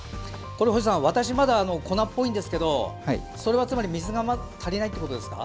私のまだ粉っぽいんですけどそれはつまり水が足りないということですか。